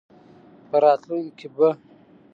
په راتلونکې کې به